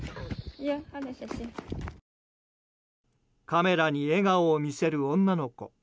カメラに笑顔を見せる女の子。